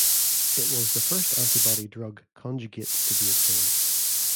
It was the first antibody-drug conjugate to be approved.